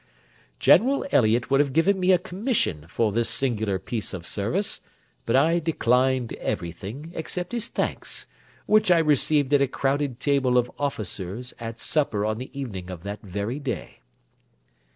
General Elliot would have given me a commission for this singular piece of service; but I declined everything, except his thanks, which I received at a crowded table of officers at supper on the evening of that very day.